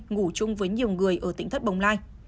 ngủ chung với nhiều người ở tỉnh thất bồng lai